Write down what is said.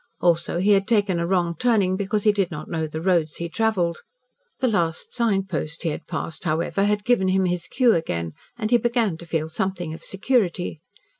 Also he had taken a wrong turning, because he did not know the roads he travelled. The last signpost he had passed, however, had given him his cue again, and he began to feel something of security.